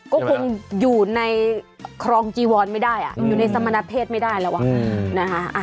ก็คงอยู่ในครองจีวรไม่ได้อยู่ในสมณเพศไม่ได้แล้วนะคะ